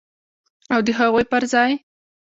او د هغوی پر ځای